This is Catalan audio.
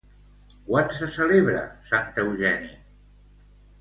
Quan se celebra Sant Eugeni?